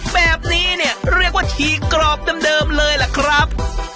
แบบนี้เนี่ยเรียกว่าฉีกรอบเดิมเลยล่ะครับ